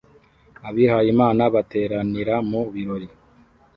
Abihayimana bateranira mu birori